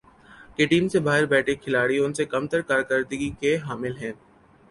کہ ٹیم سے باہر بیٹھے کھلاڑی ان سے کم تر کارکردگی کے حامل ہیں ۔